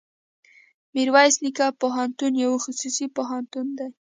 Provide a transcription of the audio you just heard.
ميرويس نيکه پوهنتون يو خصوصي پوهنتون دی.